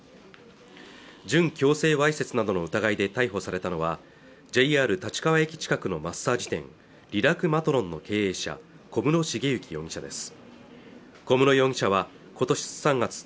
準強制わいせつなどの疑いで逮捕されたのはＪＲ立川駅近くのマッサージ店リラクまとろんの経営者小室茂行容疑者です